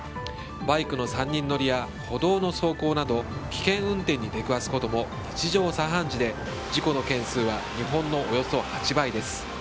バイクの３人乗りや歩道の走行など危険運転に出くわすことも日常茶飯事で事故の件数は日本のおよそ８倍です。